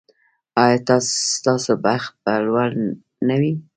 ایا ستاسو بخت به لوړ نه وي؟